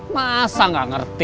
masa gak ngerti